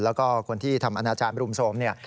แล้วก็คนที่ทำอนาจารบรุมโทรมเนี่ย